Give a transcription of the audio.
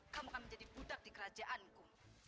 kamu akan menjadi budak di kerajaanku